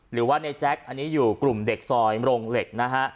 หรือว่าในแจ๊คอันนี้อยู่กลุ่มเด็กซอยโรงเหล็กนะฮะ